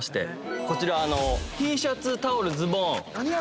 こちらＴシャツタオルズボン